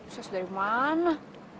sukses dari mana